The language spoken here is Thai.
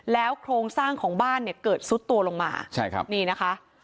โครงสร้างของบ้านเนี่ยเกิดซุดตัวลงมาใช่ครับนี่นะคะ